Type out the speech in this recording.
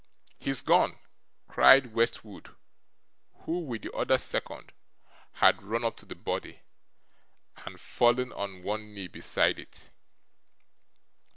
'He's gone!' cried Westwood, who, with the other second, had run up to the body, and fallen on one knee beside it.